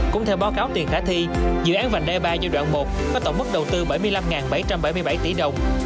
cũng theo báo cáo tiền khả thi dự án vành đai ba giai đoạn một có tổng mức đầu tư bảy mươi năm bảy trăm bảy mươi bảy tỷ đồng